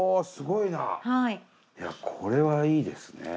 いやこれはいいですね。